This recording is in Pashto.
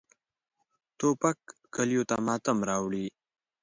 توپک کلیو ته ماتم راوړي.